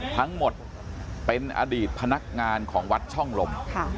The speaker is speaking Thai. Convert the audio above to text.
ทั้งหมดเป็นอดีตพนักงานของวัดช่องลม